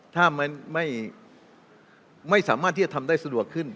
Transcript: ถ้าไม่สามารถที่จะทำได้สะดวกขึ้น